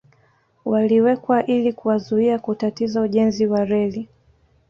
Waliwekwa ili kuwazuia kutatiza ujenzi wa reli